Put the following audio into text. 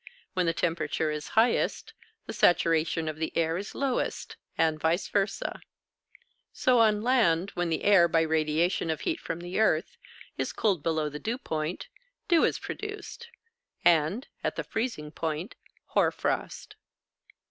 When the temperature is highest, the saturation of the air is lowest, and vice versâ. So on land when the air, by radiation of heat from the earth, is cooled below the dew point, dew is produced, and, at the freezing point, hoar frost.